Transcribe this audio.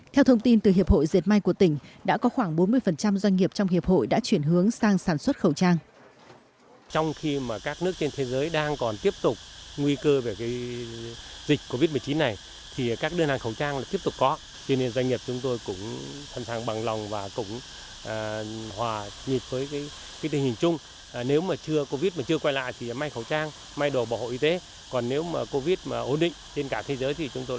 theo thông tin từ hiệp hội diệt may của tỉnh đã có khoảng bốn mươi doanh nghiệp trong hiệp hội đã chuyển hướng sang sản xuất khẩu trang